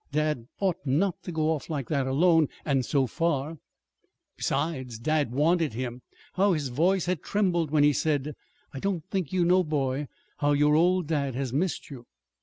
Dad ought not to go off like that alone, and so far. Besides, dad wanted him. How his voice had trembled when he had said, "I don't think you know, boy, how your old dad has missed you"!